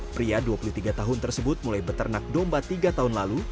pria dua puluh tiga tahun tersebut mulai beternak domba tiga tahun lalu